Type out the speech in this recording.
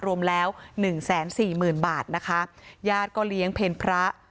รวมแล้วหนึ่งแสนสี่หมื่นบาทนะคะญาติก็เลี้ยงเพลพระ